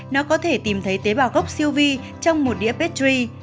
nó có thể tìm thấy tế bào gốc siêu vi trong một đĩa petery